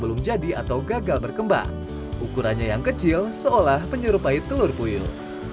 belum jadi atau gagal berkembang ukurannya yang kecil seolah menyerupai telur puyuh